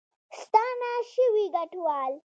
ستانه شوي کډوال